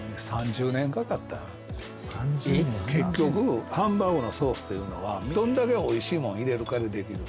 結局ハンバーグのソースというのはどんだけおいしいもん入れるかでできる。